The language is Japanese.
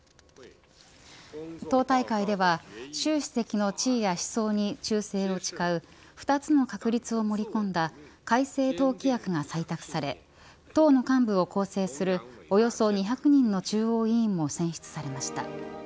党大会では習主席の地位や思想に忠誠を誓う２つの確立を盛り込んだ正党規約が採択され党の幹部を構成するおよそ２００人の中央委員も選出されました。